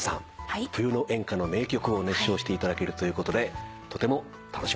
冬の演歌の名曲を熱唱していただけるということでとても楽しみです。